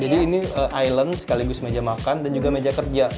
jadi ini island sekaligus meja makan dan juga meja kerja